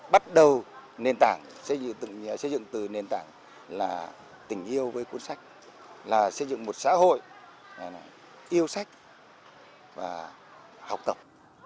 bắt đầu xây dựng từ nền tảng là tình yêu với cuốn sách là xây dựng một xã hội yêu sách và học tập